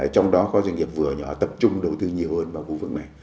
trong đó có doanh nghiệp vừa nhỏ tập trung đầu tư nhiều hơn vào khu vực này